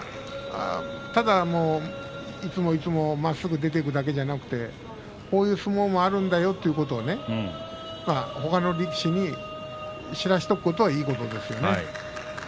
ただ、いつもいつもまっすぐ出ていくだけじゃなくてこういう相撲もあるんだよということをほかの力士に知らせておくことはいいことですよね。